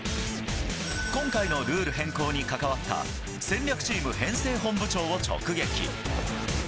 今回のルール変更に関わった、戦略チーム編成本部長を直撃。